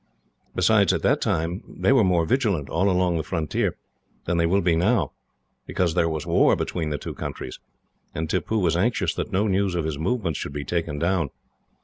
Besides, at that time they were more vigilant, all along the frontier, than they will be now, because there was war between the two countries, and Tippoo was anxious that no news of his movements should be taken down.